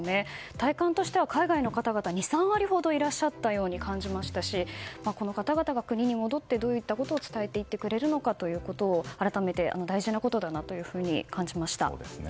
体感としては海外の方々２３割ほどいらっしゃったように感じましたしこの方々が国に戻ってどういったことを伝えてくれるのかということを改めて大事なことだなと感じました。